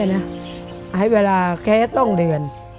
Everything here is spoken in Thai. ให้เวลาแค้นต้องเดิน